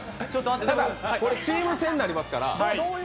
チーム戦になりますから。